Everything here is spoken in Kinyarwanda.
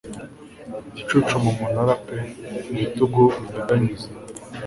Igicucu mu munara pe ibitugu byinyeganyeza